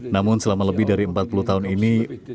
namun selama lebih dari empat puluh tahun ini